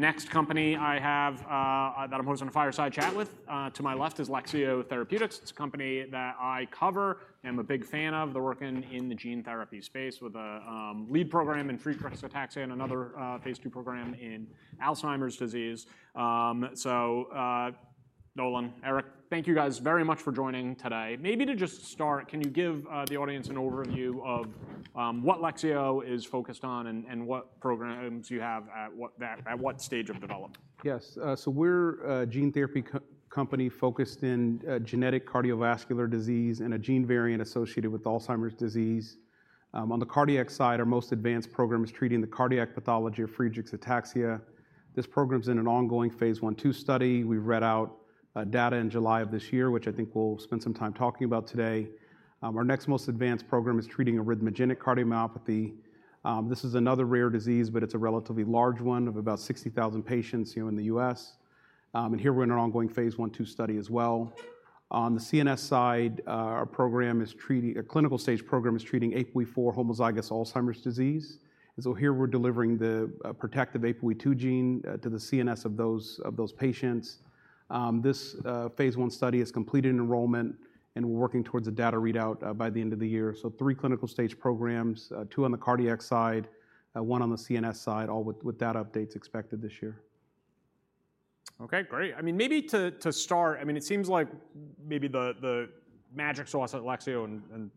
Next company I have, that I'm hosting a fireside chat with, to my left is Lexeo Therapeutics. It's a company that I cover, I am a big fan of. They're working in the gene therapy space with a lead program in Friedreich's Ataxia and another phase II program in Alzheimer's disease. So, Nolan, Eric, thank you guys very much for joining today. Maybe to just start, can you give the audience an overview of what Lexeo is focused on and what programs you have, at what stage of development? Yes. So we're a Gene Therapy Company focused in genetic cardiovascular disease and a gene variant associated with Alzheimer's disease. On the cardiac side, our most advanced program is treating the cardiac pathology of Friedreich's Ataxia. This program's in an ongoing phase I to II study. We read out data in July of this year, which I think we'll spend some time talking about today. Our next most advanced program is treating arrhythmogenic cardiomyopathy. This is another rare disease, but it's a relatively large one of about 60,000 patients here in the US. And here, we're in an ongoing phase I to II study as well. On the CNS side, our clinical stage program is treating APOE4 homozygous Alzheimer's disease, and so here we're delivering the protective APOE2 gene to the CNS of those patients. This phase I study has completed enrollment, and we're working towards a data readout by the end of the year. Three clinical-stage programs, two on the cardiac side, one on the CNS side, all with data updates expected this year. Okay, great. I mean, maybe to start, I mean, it seems like maybe the magic sauce at Lexeo and,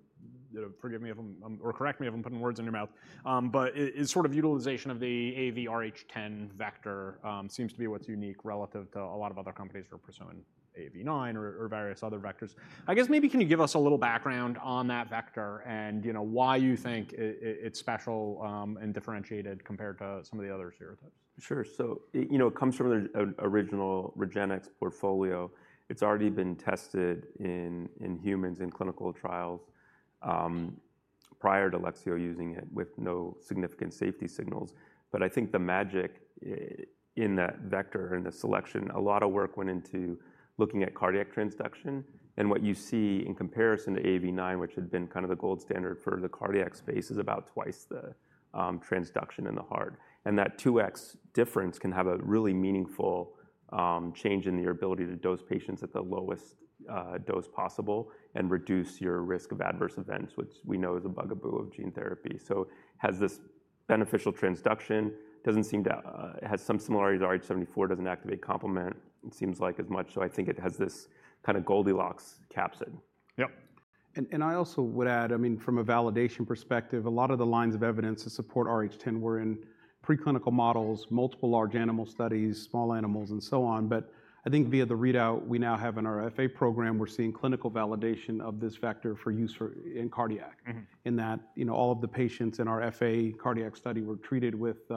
you know, forgive me if I'm... Or correct me if I'm putting words in your mouth, but it is sort of utilization of the AAVrh10 vector, seems to be what's unique relative to a lot of other companies who are pursuing AAV9 or various other vectors. I guess maybe can you give us a little background on that vector and, you know, why you think it's special, and differentiated compared to some of the other serotypes? Sure. So, it you know comes from the original ReGenX portfolio. It's already been tested in humans in clinical trials prior to Lexeo using it with no significant safety signals. But I think the magic in that vector, in the selection, a lot of work went into looking at cardiac transduction. And what you see in comparison to AAV9, which had been kind of the gold standard for the cardiac space, is about twice the transduction in the heart. And that two X difference can have a really meaningful change in your ability to dose patients at the lowest dose possible and reduce your risk of adverse events, which we know is a bugaboo of gene therapy. So has this beneficial transduction, has some similarities to rh74, doesn't activate complement as much, it seems like. So I think it has this kind of Goldilocks capsid. Yep. I also would add, I mean, from a validation perspective, a lot of the lines of evidence to support rh10 were in preclinical models, multiple large animal studies, small animals, and so on. But I think via the readout we now have in our FA program, we're seeing clinical validation of this vector for use in cardiac. Mm-hmm. In that, you know, all of the patients in our FA cardiac study were treated with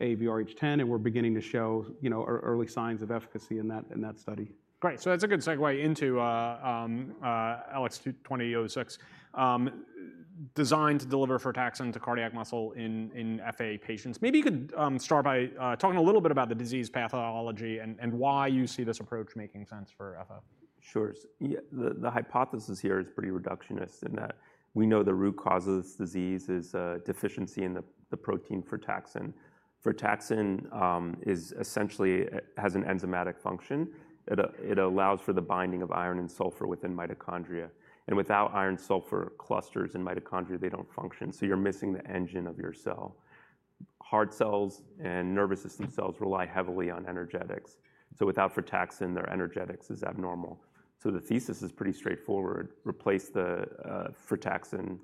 AAVrh10, and we're beginning to show, you know, early signs of efficacy in that study. Great, so that's a good segue into LX2006, designed to deliver frataxin to cardiac muscle in FA patients. Maybe you could start by talking a little bit about the disease pathology and why you see this approach making sense for FA. Sure. Yeah, the hypothesis here is pretty reductionist in that we know the root cause of this disease is a deficiency in the protein frataxin. Frataxin essentially has an enzymatic function. It allows for the binding of iron and sulfur within mitochondria, and without iron-sulfur clusters in mitochondria, they don't function, so you're missing the engine of your cell. Heart cells and nervous system cells rely heavily on energetics, so without frataxin, their energetics is abnormal, so the thesis is pretty straightforward: replace the frataxin,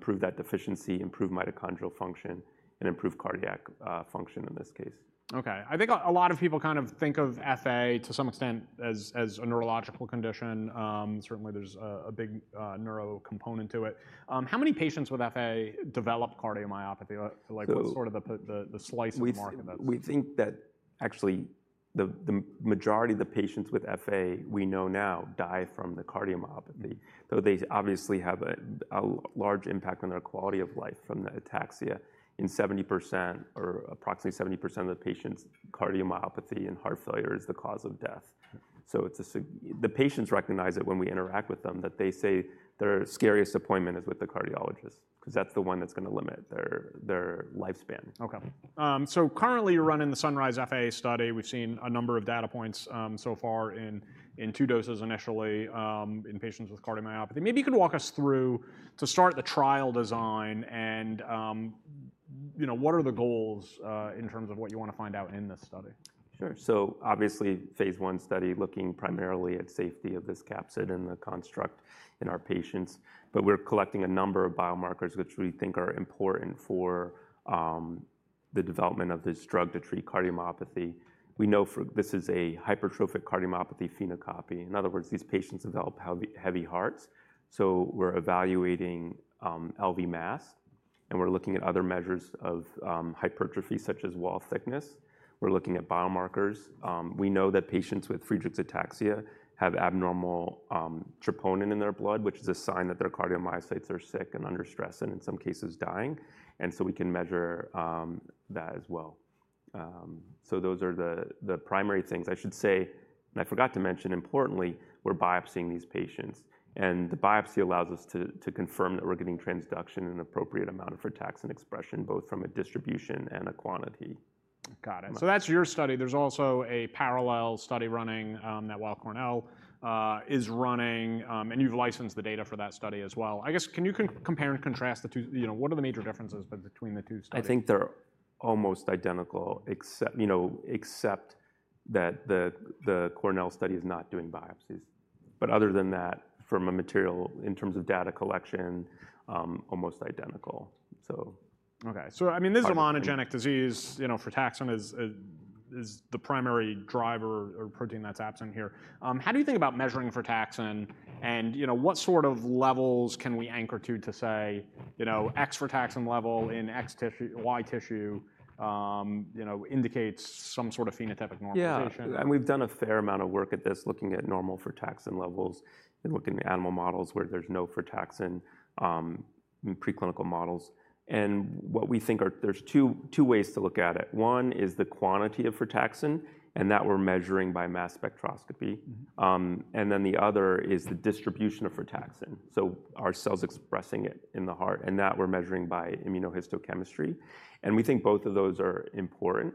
prove that deficiency, improve mitochondrial function, and improve cardiac function in this case. Okay. I think a lot of people kind of think of FA, to some extent as a neurological condition. Certainly, there's a big neuro component to it. How many patients with FA develop cardiomyopathy? So-... what sort of the slice of the market that's- We think that actually, the majority of the patients with FA, we know now die from the cardiomyopathy, though they obviously have a large impact on their quality of life from the Ataxia. In 70% or approximately 70% of the patients, cardiomyopathy and heart failure is the cause of death, so it's significant. The patients recognize it when we interact with them, that they say their scariest appointment is with the cardiologist, 'cause that's the one that's gonna limit their lifespan. Okay. So currently, you're running the SUNRISE-FA study. We've seen a number of data points so far in two doses, initially in patients with cardiomyopathy. Maybe you can walk us through, to start the trial design and you know, what are the goals in terms of what you want to find out in this study? Sure. So obviously, phase I study, looking primarily at safety of this capsid and the construct in our patients, but we're collecting a number of biomarkers, which we think are important for the development of this drug to treat cardiomyopathy. We know, for this is a hypertrophic cardiomyopathy phenocopy. In other words, these patients develop heavy, heavy hearts, so we're evaluating LV mass, and we're looking at other measures of hypertrophy, such as wall thickness. We're looking at biomarkers. We know that patients with Friedreich's Ataxia have abnormal troponin in their blood, which is a sign that their cardiomyocytes are sick and under stress, and in some cases, dying, and so we can measure that as well. Those are the primary things I should say, and I forgot to mention importantly, we're biopsying these patients, and the biopsy allows us to confirm that we're getting transduction and appropriate amount of frataxin expression, both from a distribution and a quantity.... Got it. So that's your study. There's also a parallel study running that Weill Cornell is running, and you've licensed the data for that study as well. I guess, can you compare and contrast the two? You know, what are the major differences between the two studies? I think they're almost identical, except, you know, except that the, the Cornell study is not doing biopsies. But other than that, from a material, in terms of data collection, almost identical. So- Okay, so I mean, this is- Partically- a monogenic disease, you know, frataxin is the primary driver or protein that's absent here. How do you think about measuring frataxin? And, you know, what sort of levels can we anchor to, to say, you know, X frataxin level in X tissue, Y tissue, you know, indicates some sort of phenotypic modification? Yeah, and we've done a fair amount of work at this, looking at normal frataxin levels and looking at animal models where there's no frataxin in preclinical models, and what we think are two ways to look at it. One is the quantity of frataxin, and that we're measuring by mass spectroscopy. Mm-hmm. And then the other is the distribution of frataxin. So are cells expressing it in the heart, And that we're measuring by immunohistochemistry, and we think both of those are important.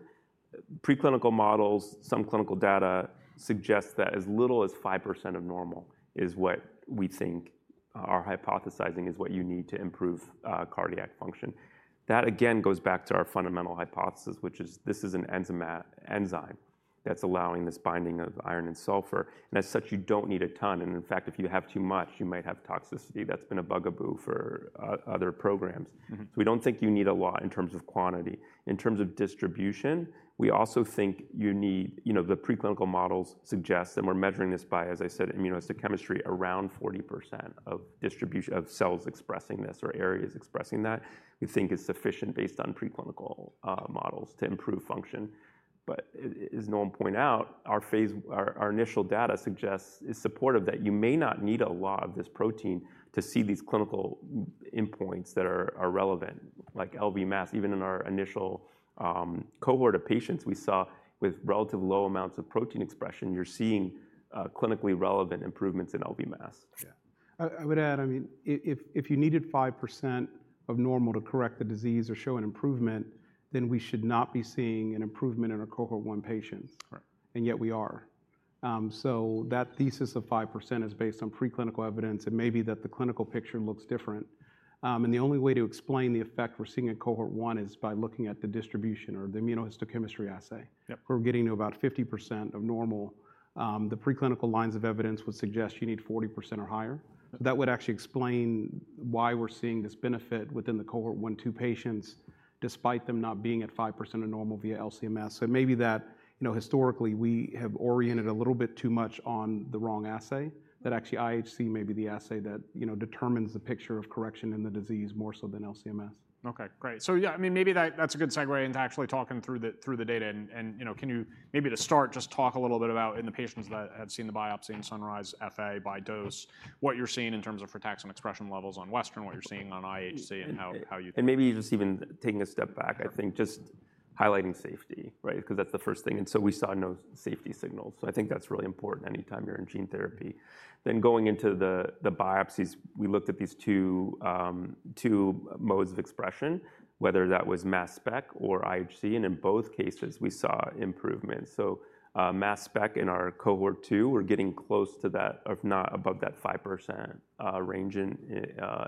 Preclinical models, some clinical data suggests that as little as 5% of normal is what we think or hypothesizing is what you need to improve cardiac function. That, again, goes back to our fundamental hypothesis, which is this is an enzyme that's allowing this binding of iron and sulfur, and as such, you don't need a ton. And in fact, if you have too much, you might have toxicity. That's been a bugaboo for other programs. Mm-hmm. So we don't think you need a lot in terms of quantity. In terms of distribution, we also think you need... You know, the preclinical models suggest, and we're measuring this by, as I said, immunohistochemistry, around 40% distribution of cells expressing this or areas expressing that, we think is sufficient based on preclinical models to improve function. But as Nolan point out, our initial data suggests is supportive that you may not need a lot of this protein to see these clinical endpoints that are relevant, like LV mass. Even in our initial cohort of patients, we saw with relatively low amounts of protein expression, you're seeing clinically relevant improvements in LV mass. Yeah. I would add, I mean, if you needed 5% of normal to correct the disease or show an improvement, then we should not be seeing an improvement in our Cohort One patients. Right. Yet we are. That thesis of 5% is based on preclinical evidence, and maybe that the clinical picture looks different. The only way to explain the effect we're seeing in Cohort One is by looking at the distribution or the immunohistochemistry assay. Yep. We're getting to about 50% of normal. The preclinical lines of evidence would suggest you need 40% or higher. That would actually explain why we're seeing this benefit within the Cohort One, Two patients, despite them not being at 5% of normal via LCMS. So maybe that, you know, historically, we have oriented a little bit too much on the wrong assay, that actually IHC may be the assay that, you know, determines the picture of correction in the disease more so than LCMS. Okay, great. So yeah, I mean, maybe that's a good segue into actually talking through the data and, you know, can you maybe to start, just talk a little bit about in the patients that have seen the biopsy in SUNRISE-FA by dose, what you're seeing in terms of frataxin expression levels on Western, what you're seeing on IHC, and how you think- And maybe just even taking a step back, I think just highlighting safety, right? 'Cause that's the first thing, and so we saw no safety signals. So I think that's really important anytime you're in gene therapy. Then going into the biopsies, we looked at these two modes of expression, whether that was Mass Spec or IHC, and in both cases, we saw improvement. So, Mass Spec in our Cohort Two, we're getting close to that, if not above that 5% range in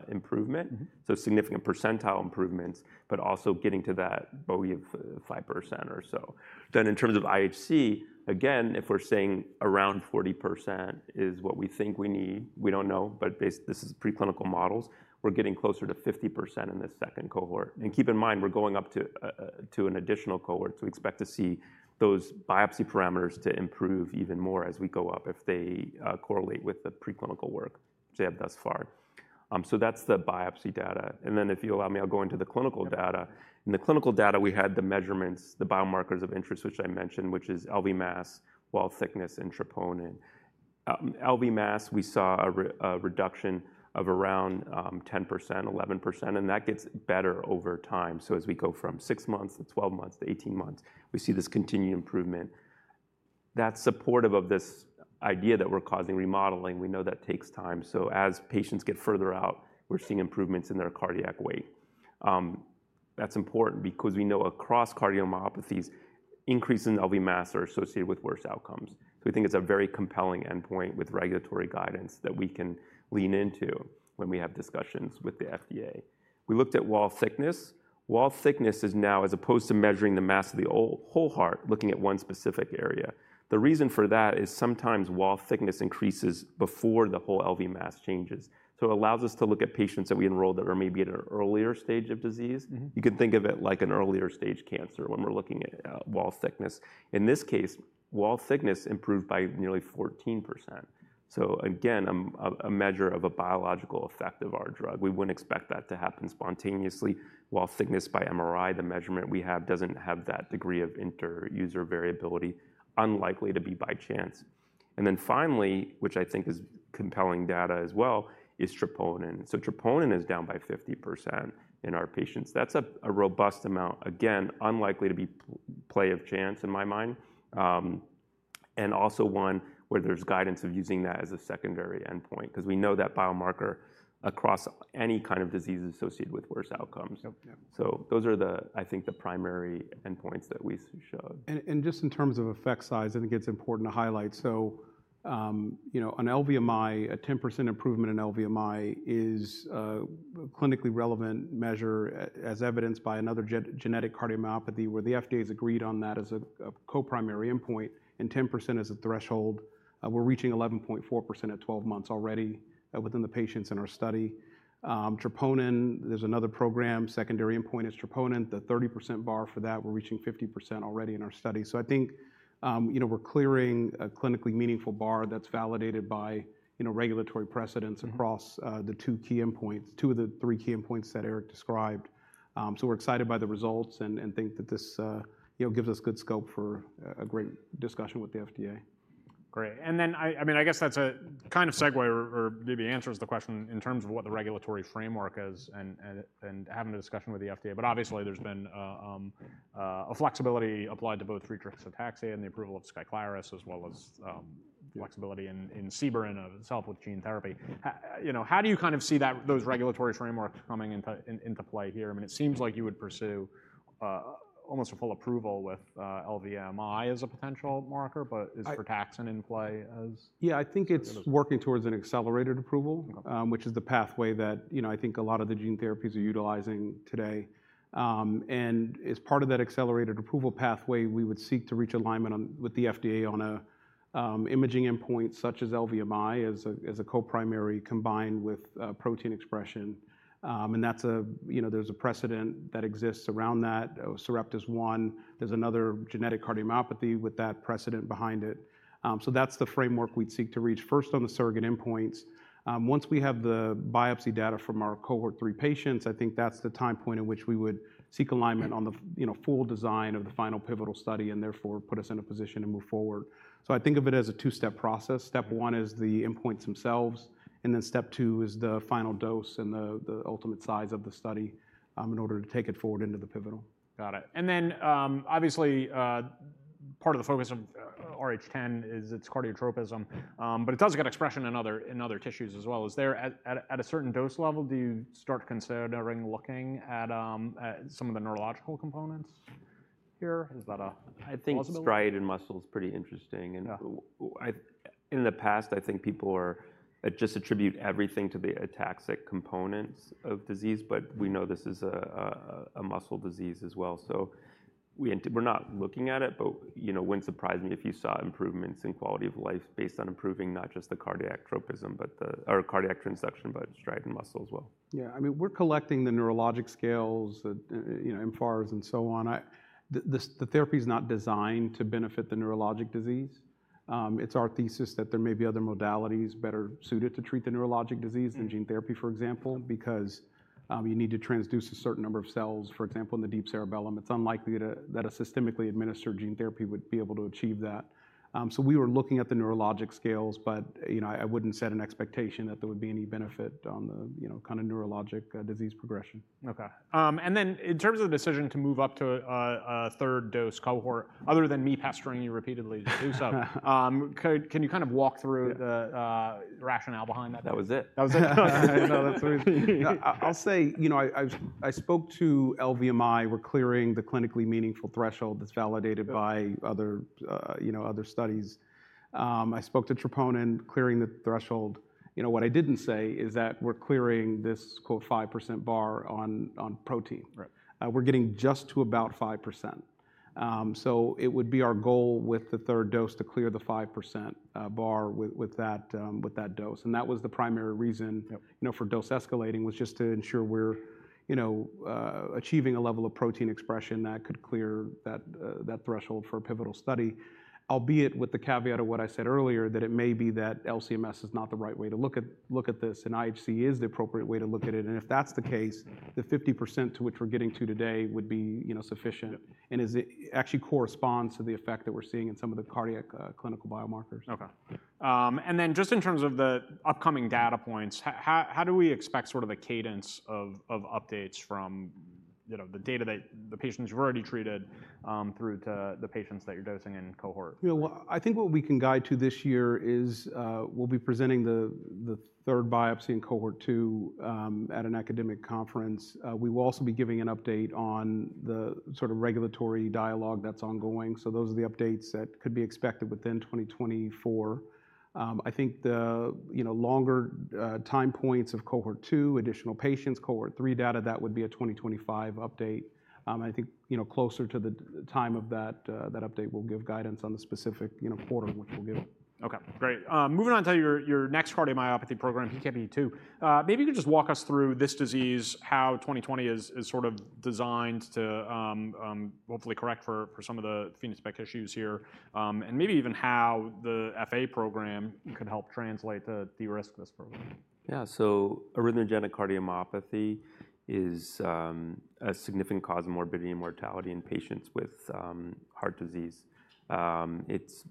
improvement. Mm-hmm. Significant percentile improvements, but also getting to that [BOE] of 5% or so. Then in terms of IHC, again, if we're saying around 40% is what we think we need, we don't know, but this is preclinical models, we're getting closer to 50% in this second cohort. Keep in mind, we're going up to a, a, to an additional cohort, so we expect to see those biopsy parameters to improve even more as we go up, if they correlate with the preclinical work we have thus far. That's the biopsy data. Then if you allow me, I'll go into the clinical data. Yeah. In the clinical data, we had the measurements, the biomarkers of interest, which I mentioned, which is LV mass, wall thickness, and troponin. LV mass, we saw a reduction of around, 10%-11%, and that gets better over time. So as we go from six months to 12 months to 18 months, we see this continued improvement. That's supportive of this idea that we're causing remodeling. We know that takes time. So as patients get further out, we're seeing improvements in their cardiac weight. That's important because we know across cardiomyopathies, increases in LV mass are associated with worse outcomes. So we think it's a very compelling endpoint with regulatory guidance that we can lean into when we have discussions with the FDA. We looked at wall thickness. Wall thickness is now, as opposed to measuring the mass of the whole heart, looking at one specific area. The reason for that is sometimes wall thickness increases before the whole LV mass changes. So it allows us to look at patients that we enrolled that were maybe at an earlier stage of disease. Mm-hmm. You can think of it like an earlier stage cancer when we're looking at wall thickness. In this case, wall thickness improved by nearly 14%. So again, a measure of a biological effect of our drug. We wouldn't expect that to happen spontaneously. Wall thickness by MRI, the measurement we have, doesn't have that degree of inter-user variability, unlikely to be by chance. And then finally, which I think is compelling data as well, is Troponin. So Troponin is down by 50% in our patients. That's a robust amount. Again, unlikely to be play of chance in my mind, and also one where there's guidance of using that as a secondary endpoint, 'cause we know that biomarker across any kind of disease associated with worse outcomes. Yep. Yeah. So those are the, I think, the primary endpoints that we showed. Just in terms of effect size, I think it's important to highlight. So, you know, an LVMI, a 10% improvement in LVMI is a clinically relevant measure as evidenced by another genetic cardiomyopathy, where the FDA has agreed on that as a co-primary endpoint, and 10% is the threshold. We're reaching 11.4% at 12 months already, within the patients in our study. Troponin, there's another program, secondary endpoint is Troponin. The 30% bar for that, we're reaching 50% already in our study. So I think, you know, we're clearing a clinically meaningful bar that's validated by, you know, regulatory precedents. Mm-hmm. Across the two key endpoints, two of the three key endpoints that Eric described. So we're excited by the results and think that this, you know, gives us good scope for a great discussion with the FDA. Great. And then, I mean, I guess that's a kind of segue or maybe answers the question in terms of what the regulatory framework is and having a discussion with the FDA. But obviously, there's been a flexibility applied to both [omaveloxolone] and the approval of Skyclarys, as well as Yeah... flexibility in and of itself with gene therapy. You know, how do you kind of see that, those regulatory frameworks coming into play here? I mean, it seems like you would pursue almost a full approval with LVMI as a potential marker, but- I- Is Frataxin in play as- Yeah, I think it's working towards an accelerated approval. Okay. Which is the pathway that, you know, I think a lot of the gene therapies are utilizing today. And as part of that accelerated approval pathway, we would seek to reach alignment on with the FDA on a, imaging endpoint, such as LVMI, as a, as a co-primary combined with, protein expression. And that's a. You know, there's a precedent that exists around that. Sarepta is one. There's another genetic cardiomyopathy with that precedent behind it. So that's the framework we'd seek to reach first on the surrogate endpoints. Once we have the biopsy data from our Cohort three patients, I think that's the time point in which we would seek alignment on the, you know, full design of the final pivotal study and therefore, put us in a position to move forward. So I think of it as a two-step process. Step one is the endpoints themselves, and then step two is the final dose and the ultimate size of the study, in order to take it forward into the pivotal. Got it. And then, obviously, part of the focus of rh10 is its cardiotropism. Mm. But it does get expression in other tissues as well. At a certain dose level, do you start considering looking at some of the neurological components here? Is that a possibility? I think striated muscle is pretty interesting, and- Yeah... In the past, I think people just attribute everything to the ataxic components of disease, but we know this is a muscle disease as well. So we're not looking at it, but, you know, it wouldn't surprise me if you saw improvements in quality of life based on improving not just the cardiac tropism or cardiac transduction, but striated muscle as well. Yeah. I mean, we're collecting the neurologic scales, you know, mFARS and so on. The therapy is not designed to benefit the neurologic disease. It's our thesis that there may be other modalities better suited to treat the neurologic disease than gene therapy, for example, because you need to transduce a certain number of cells, for example, in the deep cerebellum. It's unlikely that a systemically administered gene therapy would be able to achieve that. So we were looking at the neurologic scales, but you know, I wouldn't set an expectation that there would be any benefit on the kind of neurologic disease progression. Okay. And then in terms of the decision to move up to a third dose cohort, other than me pestering you repeatedly to do so, can you kind of walk through the rationale behind that? That was it. That was it. I'll say, you know, I spoke to LVMI. We're clearing the clinically meaningful threshold that's validated by- Yep... other, you know, other studies. I spoke to Troponin, clearing the threshold. You know, what I didn't say is that we're clearing this "5% bar" on protein. Right. We're getting just to about 5%. So it would be our goal with the third dose to clear the 5% bar with that dose, and that was the primary reason- Yep... you know, for dose escalating, was just to ensure we're, you know, achieving a level of protein expression that could clear that, that threshold for a pivotal study. Albeit with the caveat of what I said earlier, that it may be that LCMS is not the right way to look at this, and IHC is the appropriate way to look at it. If that's the case, the 50% to which we're getting to today would be, you know, sufficient- Yep... and actually corresponds to the effect that we're seeing in some of the cardiac clinical biomarkers. Okay. And then, just in terms of the upcoming data points, how do we expect sort of a cadence of updates from, you know, the data that the patients you've already treated through to the patients that you're dosing in cohort? You know, I think what we can guide to this year is, we'll be presenting the third biopsy in Cohort two at an academic conference. We will also be giving an update on the sort of regulatory dialogue that's ongoing. So those are the updates that could be expected within 2024. I think, you know, longer time points of Cohort two, additional patients, Cohort three data, that would be a 2025 update. I think, you know, closer to the time of that update will give guidance on the specific, you know, quarter in which we'll give them. Okay, great. Moving on to your next cardiomyopathy program, [LX2020]. Maybe you could just walk us through this disease, how twenty-twenty is sort of designed to hopefully correct for some of the phenotypic issues here, and maybe even how the FA program could help translate the risk of this program. Yeah. So arrhythmogenic cardiomyopathy is a significant cause of morbidity and mortality in patients with heart disease. It's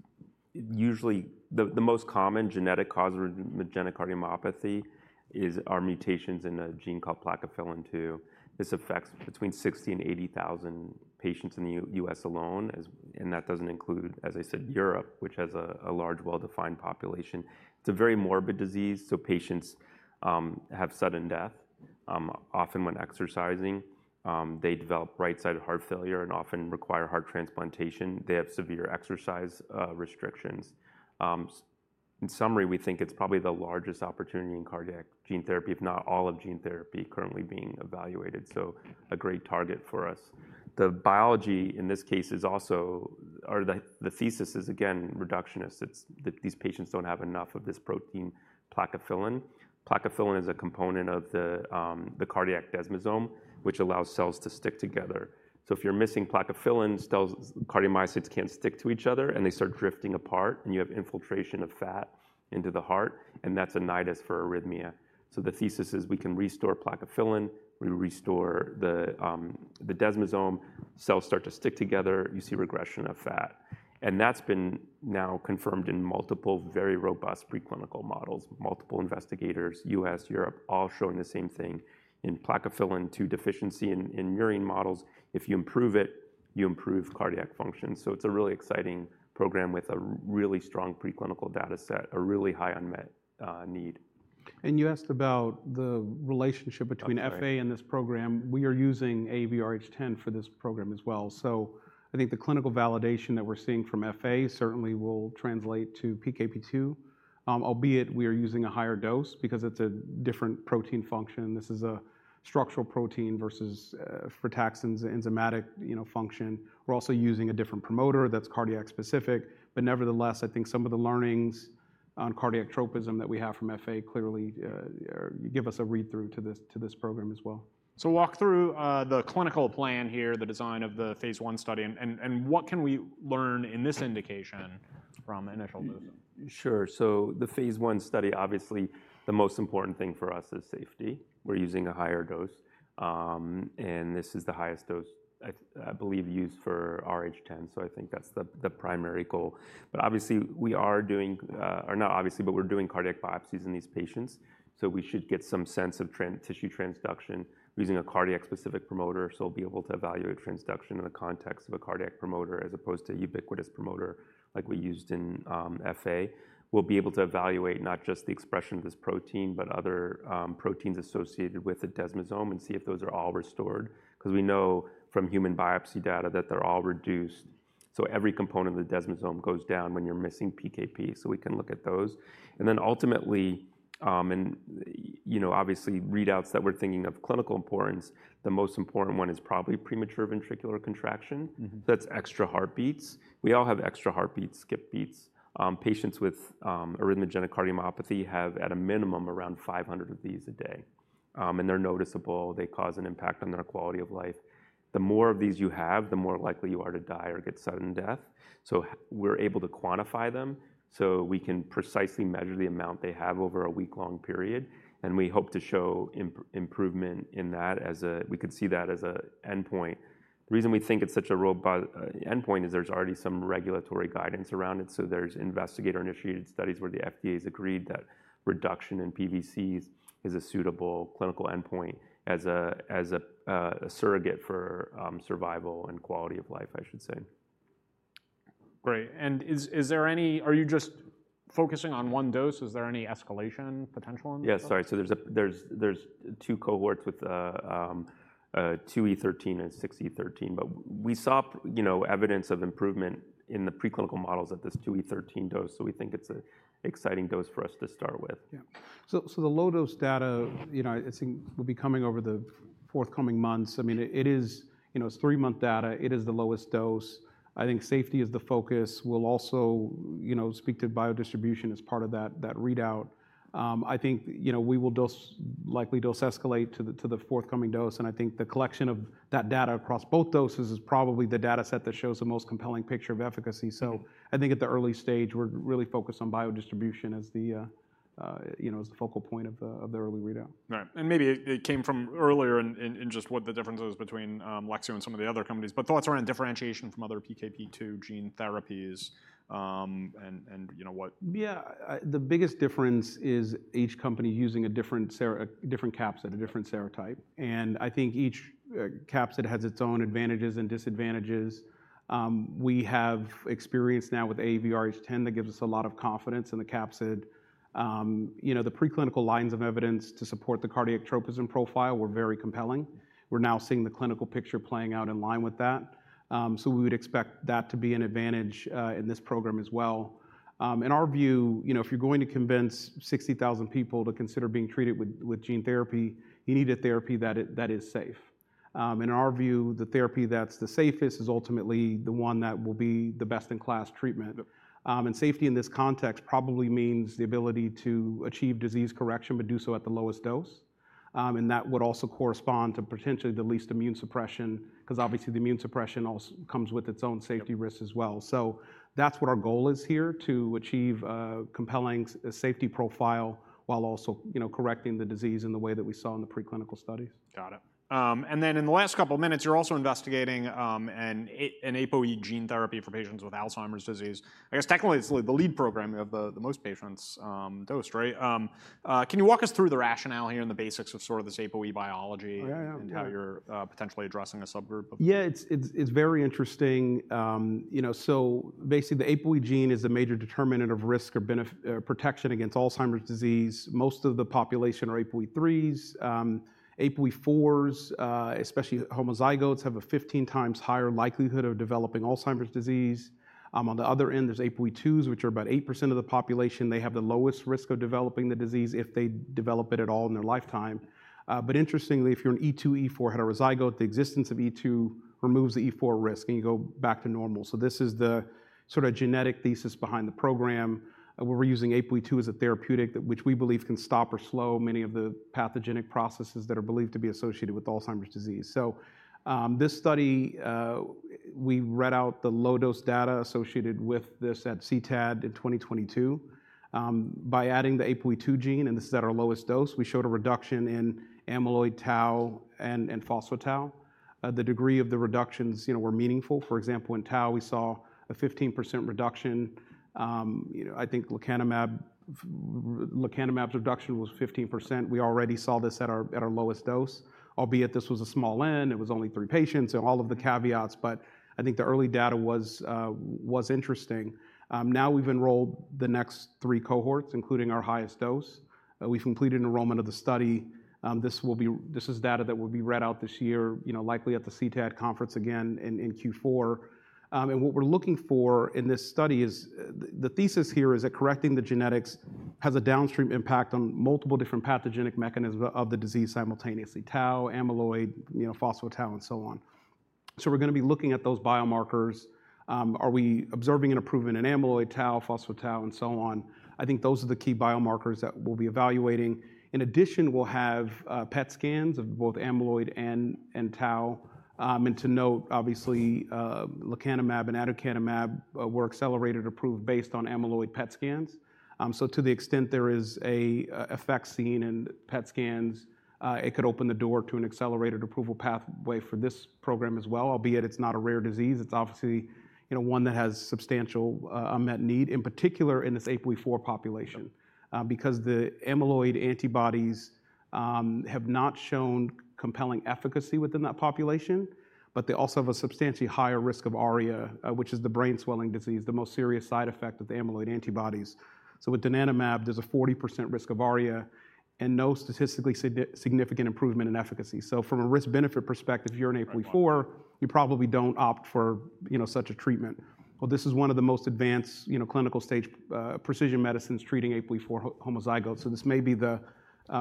usually the most common genetic cause of arrhythmogenic cardiomyopathy is are mutations in a gene called plakophilin 2. This affects between 60,000 toF 80,000 patients in the US alone, and that doesn't include, as I said, Europe, which has a large, well-defined population. It's a very morbid disease, so patients have sudden death often when exercising. They develop right-sided heart failure and often require heart transplantation. They have severe exercise restrictions. In summary, we think it's probably the largest opportunity in cardiac gene therapy, if not all of gene therapy currently being evaluated, so a great target for us. The biology in this case is also or the thesis is, again, reductionist. It's that these patients don't have enough of this protein plakophilin. Plakophilin is a component of the cardiac desmosome, which allows cells to stick together. So if you're missing plakophilin, cells, cardiomyocytes can't stick to each other, and they start drifting apart, and you have infiltration of fat into the heart, and that's an nidus for arrhythmia. So the thesis is we can restore plakophilin, we restore the Desmosome, cells start to stick together, you see regression of fat, and that's been now confirmed in multiple, very robust preclinical models, multiple investigators, US, Europe, all showing the same thing. In plakophilin-related deficiency in murine models, if you improve it, you improve cardiac function. So it's a really exciting program with a really strong preclinical data set, a really high unmet need. And you asked about the relationship between- Okay. FA and this program. We are using AAVrh10 for this program as well. So I think the clinical validation that we're seeing from FA certainly will translate to PKP2. Albeit we are using a higher dose because it's a different protein function. This is a structural protein versus frataxin's enzymatic, you know, function. We're also using a different promoter that's cardiac specific, but nevertheless, I think some of the learnings on cardiac tropism that we have from FA clearly give us a read-through to this program as well. Walk through the clinical plan here, the design of the phase I study, and what can we learn in this indication from the initial move? Sure. So the phase I study, obviously, the most important thing for us is safety. We're using a higher dose, and this is the highest dose I believe used for rh10, so I think that's the primary goal. But obviously, we are doing, or not obviously, but we're doing cardiac biopsies in these patients, so we should get some sense of tissue transduction using a cardiac-specific promoter. So we'll be able to evaluate transduction in the context of a cardiac promoter, as opposed to a ubiquitous promoter like we used in FA. We'll be able to evaluate not just the expression of this protein, but other proteins associated with the desmosome and see if those are all restored, 'cause we know from human biopsy data that they're all reduced. So every component of the desmosome goes down when you're missing PKP, so we can look at those. And then ultimately, you know, obviously, readouts that we're thinking of clinical importance, the most important one is probably premature ventricular contraction. Mm-hmm. That's extra heartbeats. We all have extra heartbeats, skip beats. Patients with arrhythmogenic cardiomyopathy have, at a minimum, around 500 of these a day, and they're noticeable. They cause an impact on their quality of life. The more of these you have, the more likely you are to die or get sudden death. So we're able to quantify them, so we can precisely measure the amount they have over a week-long period, and we hope to show improvement in that as a... we could see that as a endpoint. The reason we think it's such a robust endpoint is there's already some regulatory guidance around it, so there's investigator-initiated studies where the FDA has agreed that reduction in PVCs is a suitable clinical endpoint as a, as a, a surrogate for survival and quality of life, I should say. Great. Are you just focusing on one dose? Is there any escalation potential in this? Yeah, sorry. So there's two cohorts with two E 13 and six E 13, but we saw, you know, evidence of improvement in the preclinical models at this two E 13 dose, so we think it's an exciting dose for us to start with. Yeah. So, the low-dose data, you know, I think will be coming over the forthcoming months. I mean, it is, you know, it's three-month data. It is the lowest dose. I think safety is the focus. We'll also, you know, speak to biodistribution as part of that readout. I think, you know, we will dose, likely dose escalate to the forthcoming dose, and I think the collection of that data across both doses is probably the data set that shows the most compelling picture of efficacy. So I think at the early stage, we're really focused on biodistribution as the, you know, as the focal point of the early readout. Right. And maybe it came from earlier in just what the difference is between Lexeo and some of the other companies, but thoughts around differentiation from other PKP2 gene therapies, and you know what? Yeah, the biggest difference is each company using a different capsid, a different serotype, and I think each capsid has its own advantages and disadvantages. We have experience now with AAVrh10 that gives us a lot of confidence in the capsid. You know, the preclinical lines of evidence to support the cardiac tropism profile were very compelling. We're now seeing the clinical picture playing out in line with that. So we would expect that to be an advantage in this program as well. In our view, you know, if you're going to convince 60,000 people to consider being treated with gene therapy, you need a therapy that is safe. In our view, the therapy that's the safest is ultimately the one that will be the best-in-class treatment. And safety in this context probably means the ability to achieve disease correction, but do so at the lowest dose. And that would also correspond to potentially the least immune suppression, 'cause obviously, the immune suppression also comes with its own safety risks as well. So that's what our goal is here, to achieve a compelling safety profile, while also, you know, correcting the disease in the way that we saw in the preclinical studies. Got it. And then in the last couple of minutes, you're also investigating an APOE gene therapy for patients with Alzheimer's disease. I guess, technically, it's the lead program. You have the most patients dosed, right? Can you walk us through the rationale here and the basics of sort of this APOE biology- Yeah, yeah. -and how you're potentially addressing a subgroup of- Yeah, it's very interesting. You know, so basically, the APOE gene is a major determinant of risk or protection against Alzheimer's disease. Most of the population are APOE3s. APOE4s, especially homozygotes, have a 15x higher likelihood of developing Alzheimer's disease. On the other end, there's APOE2s, which are about 8% of the population. They have the lowest risk of developing the disease if they develop it at all in their lifetime, but interestingly, if you're an E2/E4 heterozygote, the existence of E2 removes the E4 risk, and you go back to normal, so this is the sort of genetic thesis behind the program, where we're using APOE2 as a therapeutic, that which we believe can stop or slow many of the pathogenic processes that are believed to be associated with Alzheimer's disease. This study, we read out the low-dose data associated with this at CTAD in 2022. By adding the APOE2 gene, and this is at our lowest dose, we showed a reduction in amyloid tau and phospho-tau. The degree of the reductions, you know, were meaningful. For example, in tau, we saw a 15% reduction. You know, I think lecanemab's reduction was 15%. We already saw this at our lowest dose, albeit this was a small N, it was only three patients, so all of the caveats, but I think the early data was interesting. Now we've enrolled the next three cohorts, including our highest dose. We've completed enrollment of the study. This is data that will be read out this year, you know, likely at the CTAD conference again in Q4. And what we're looking for in this study is the thesis here is that correcting the genetics has a downstream impact on multiple different pathogenic mechanisms of the disease simultaneously: tau, amyloid, you know, phospho-tau, and so on. So we're gonna be looking at those biomarkers. Are we observing an improvement in amyloid, tau, phospho-tau, and so on? I think those are the key biomarkers that we'll be evaluating. In addition, we'll have PET scans of both amyloid and tau. And to note, obviously, lecanemab and aducanumab were accelerated approved based on amyloid PET scans. So to the extent there is an effect seen in PET scans, it could open the door to an accelerated approval pathway for this program as well, albeit it's not a rare disease. It's obviously, you know, one that has substantial unmet need, in particular, in this APOE4 population. Yep. Because the amyloid antibodies have not shown compelling efficacy within that population, but they also have a substantially higher risk of ARIA, which is the brain swelling disease, the most serious side effect of the amyloid antibodies. So with donanemab, there's a 40% risk of ARIA and no statistically significant improvement in efficacy. So from a risk-benefit perspective, if you're an APOE4- Right... you probably don't opt for, you know, such a treatment. Well, this is one of the most advanced, you know, clinical stage precision medicines treating APOE4 homozygotes, so this may be the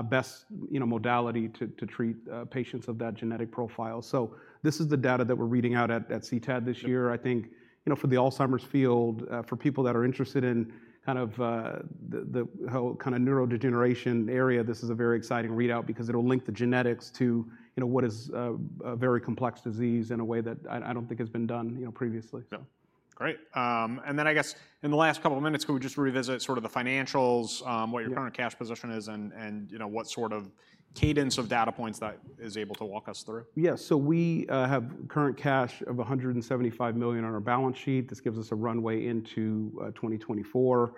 best, you know, modality to treat patients of that genetic profile. So this is the data that we're reading out at CTAD this year. I think, you know, for the Alzheimer's field, for people that are interested in kind of the whole kind of neurodegeneration area, this is a very exciting readout because it'll link the genetics to, you know, what is a very complex disease in a way that I don't think has been done, you know, previously, so. Great. And then I guess in the last couple of minutes, can we just revisit sort of the financials? Yeah... what your current cash position is, and you know, what sort of cadence of data points that is able to walk us through? Yeah, so we have current cash of $175 million on our balance sheet. This gives us a runway into 2024,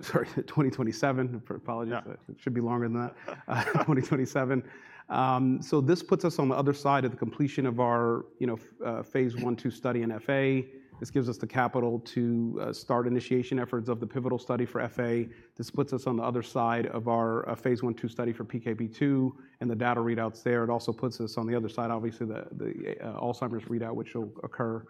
sorry, 2027. Apologies. Yeah. It should be longer than that. 2027. So this puts us on the other side of the completion of our, you know, phase I/II study in FA. This gives us the capital to start initiation efforts of the pivotal study for FA. This puts us on the other side of our phase I/II study for PKP2 and the data readouts there. It also puts us on the other side, obviously, the Alzheimer's readout, which will occur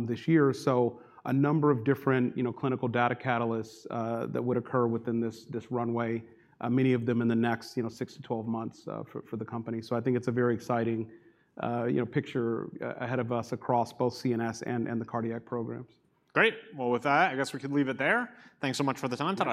this year. So a number of different, you know, clinical data catalysts that would occur within this runway, many of them in the next, you know, six to 12 months, for the company. So I think it's a very exciting, you know, picture ahead of us across both CNS and the cardiac programs. Great! Well, with that, I guess we could leave it there. Thanks so much for the time today.